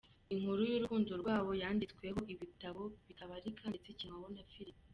Inkuru y’urukundo rwabo yanditsweho ibitabo bitabarika ndetse ikinwaho na filimi.